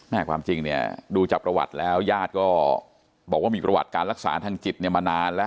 ความจริงเนี่ยดูจากประวัติแล้วญาติก็บอกว่ามีประวัติการรักษาทางจิตเนี่ยมานานแล้ว